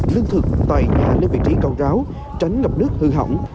lương thực tại nhà lên vị trí cao ráo tránh ngập nước hư hỏng